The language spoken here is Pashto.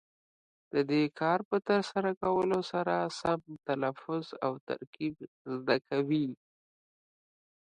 د دې کار په ترسره کولو سره سم تلفظ او ترکیب زده کوي.